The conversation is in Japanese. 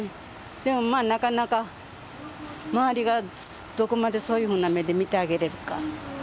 でもまあなかなか周りがどこまでそういうふうな目で見てあげられるか。